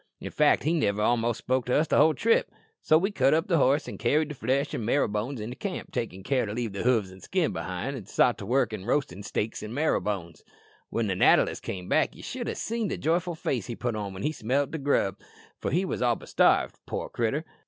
In fact he niver a'most spoke to us all the trip. Well, we cut up the horse, an' carried the flesh an' marrowbones into camp, takin' care to leave the hoofs an' skin behind, an' sot to work an' roasted steaks an' marrowbones." "When the natter list came back ye should ha' seen the joyful face he put on when he smelt the grub, for he was all but starved out, poor critter."